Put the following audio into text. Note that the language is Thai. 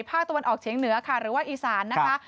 ตะวันออกเฉียงเหนือค่ะหรือว่าอีสานนะคะ